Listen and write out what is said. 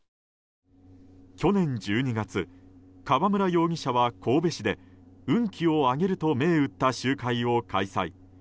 去年１２月川村容疑者は神戸市で運気を上げると銘打った集会を開催。